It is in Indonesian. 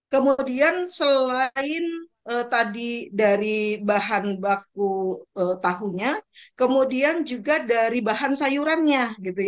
kemudian selain tadi dari bahan baku tahunya kemudian juga dari bahan sayurannya